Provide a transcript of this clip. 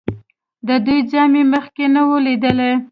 د دوی ځای مې مخکې نه و لیدلی.